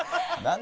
何？